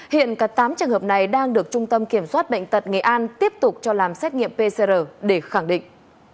hiện cả tám trường hợp này đang được trung tâm kiểm soát bệnh tật nghệ an tiếp tục cho làm xét nghiệm pcr để khẳng định